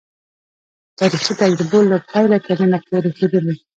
تاریخي تجربو له پیله تر ننه پورې ښودلې.